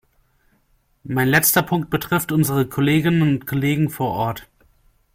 Mein letzter Punkt betrifft unsere Kolleginnen und Kollegen vor Ort.